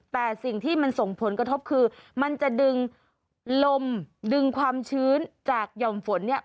แต่สิ่งที่มันส่งผลกระทบคือมันจะดึงลมดึงความชื้นจากหย่อมฝนเนี่ย